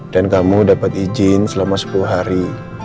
dan kamu dapat izin selama sepuluh hari